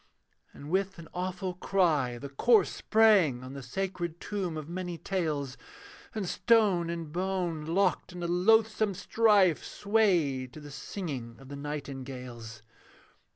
And with an awful cry, the corse Sprang on the sacred tomb of many tales, And stone and bone, locked in a loathsome strife, Swayed to the singing of the nightingales.